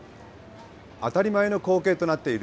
当たり前の光景となっている